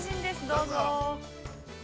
どうぞ。